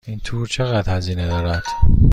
این تور چقدر هزینه دارد؟